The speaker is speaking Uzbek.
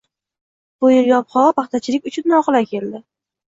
Bu yilgi ob-havo paxtachilik uchun noqulay keldi.